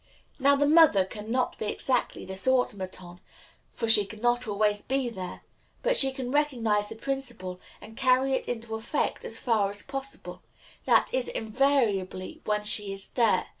Now, the mother can not be exactly this automaton, for she can not always be there; but she can recognize the principle, and carry it into effect as far as possible that is, invariably, when she is there.